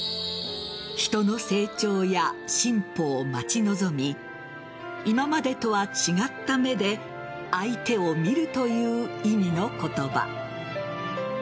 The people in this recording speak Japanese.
人の成長や進歩を待ち望み今までとは違った目で相手を見るという意味の言葉。